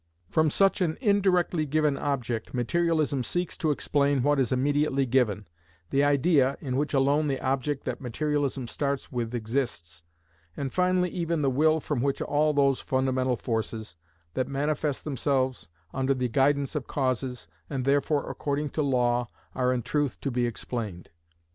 From such an indirectly given object, materialism seeks to explain what is immediately given, the idea (in which alone the object that materialism starts with exists), and finally even the will from which all those fundamental forces, that manifest themselves, under the guidance of causes, and therefore according to law, are in truth to be explained.